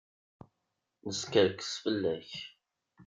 Neskerkes fell-ak.